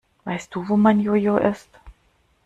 Weißt du, wo mein Jo-Jo ist?